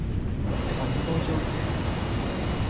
冚多張被